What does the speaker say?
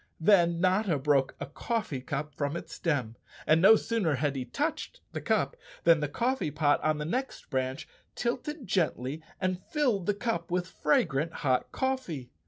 Then Notta broke a coffee cup from its stem, and no sooner had he touched the cup than the coffee pot on the next branch tilted gently and filled the cup with fragrant hot coffee.